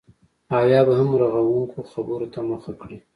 او یا به هم رغونکو خبرو ته مخه کړي